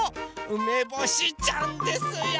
うめぼしちゃんですよ！